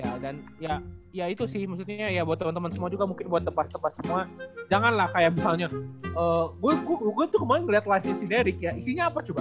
ya dan ya itu sih maksudnya ya buat temen temen semua juga mungkin buat tepat tepat semua jangan lah kayak misalnya gue tuh kemarin liat livenya si derek ya isinya apa coba